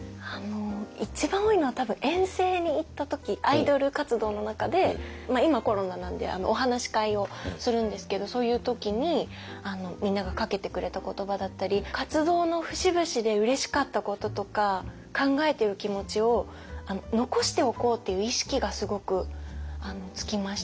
一番多いのは多分遠征に行った時アイドル活動の中で今コロナなんでお話し会をするんですけどそういう時にみんながかけてくれた言葉だったり活動の節々でうれしかったこととか考えてる気持ちを残しておこうっていう意識がすごくつきました。